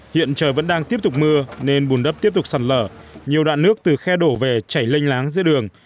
hiện trời vẫn đang tiếp tục mưa nên bùn đất tiếp tục sạt lở nhiều đoạn nước từ khe đổ về chảy lênh láng giữa đường